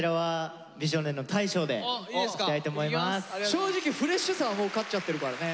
正直フレッシュさはもう勝っちゃってるからね。